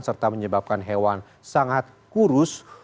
serta menyebabkan hewan sangat kurus